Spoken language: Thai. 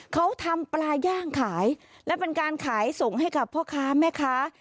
เขาทำปลาย่างขายและเป็นการขายส่งให้กับพ่อค้าแม่ค้า